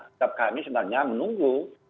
sikap kami sebenarnya menunggu